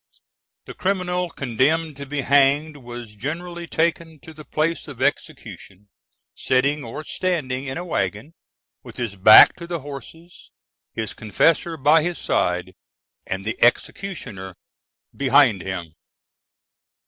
The criminal condemned to be hanged was generally taken to the place of execution sitting or standing in a waggon, with his back to the horses, his confessor by his side, and the executioner behind him.